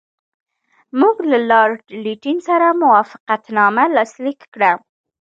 موږ له لارډ لیټن سره موافقتنامه لاسلیک کړه.